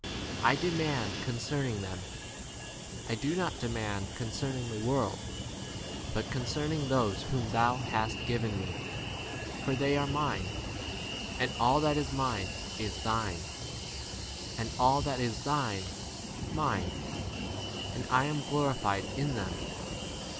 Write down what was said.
I * demand concerning them ; I do not demand concerning the world, but concerning those whom thou hast given me, for they are thine, (and all that is mine 10 is thine, and all that is thine mine,) and I am glorified in them.